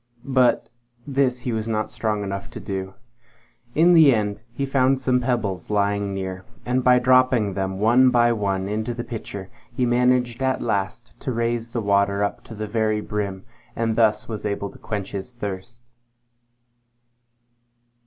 But this he was not strong enough to do. In the end he found some pebbles lying near, and by dropping them one by one into the pitcher, he managed at last to raise the water up to the very brim, and thus was able to quench his thirst.